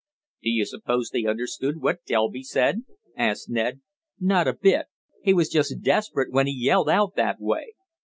"Do you suppose they understood what Delby said?" asked Ned. "Not a bit of it! He was just desperate when he yelled out that way.